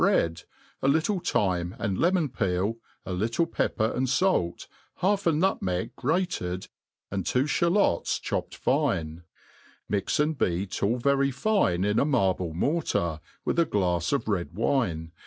bread,, a little thyme and lemon peel, a little pepper and fair,, hatf a nutmeg graced, and two (balots chopped fine ; mix and bealc all very ^ne in a marble mortar, with a glafs of red wine